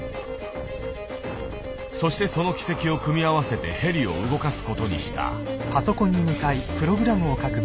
そしてその軌跡を組み合わせてヘリを動かす事にした。